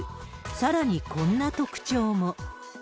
さらにこんな特徴も。